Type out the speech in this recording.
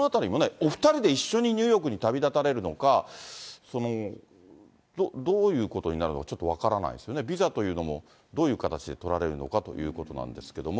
お２人で一緒にニューヨークに旅立たれるのか、どういうことになるのか、ちょっと分からないですよね、ビザというのもどういう形で取られるのかということなんですけども。